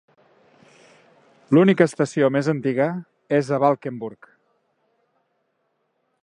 L'única estació més antiga és a Valkenburg.